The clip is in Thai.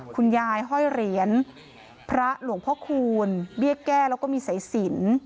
คุณยายห้อยเหรียญพระหลวงพระคูณเบี้ยแก้แล้วก็มีใส่ศิลป์